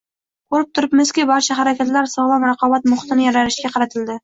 Ko‘rib turibmizki, barcha harakatlar sog‘lom raqobat muhitini yaratishga qaratildi